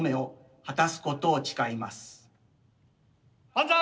万歳！